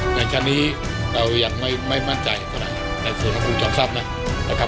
อย่างฉะนี้เรายังไม่มั่นใจสนับสนุกกับภูมิจันทรัพย์นะครับ